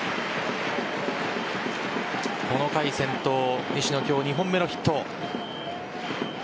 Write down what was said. この回先頭・西野今日２本目のヒット。